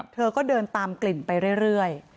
เธอก็เดินตามกลิ่นไปเรื่อย